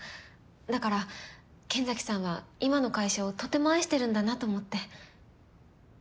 だから剣崎さんは今の会社をとても愛してるんだなと思って。